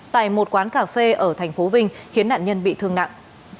tại một quán cà phê ở thành phố vinh khiến nạn nhân bị thương nặng